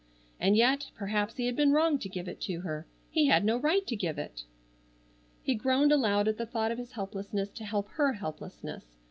And yet, perhaps he had been wrong to give it to her. He had no right to give it! He groaned aloud at the thought of his helplessness to help her helplessness.